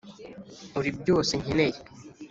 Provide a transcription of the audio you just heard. uri byose nkeneye